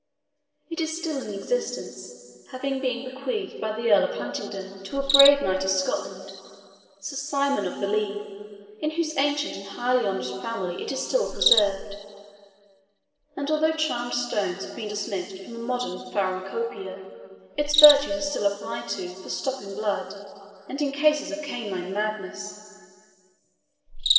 It is still in existence, having been bequeathed by the Earl of Huntingdon to a brave knight of Scotland, Sir Simon of the Lee, in whose ancient and highly honoured family it is still preserved; and although charmed stones have been dismissed from the modern Pharmacopoeia, its virtues are still applied to for stopping blood, and in cases of canine madness.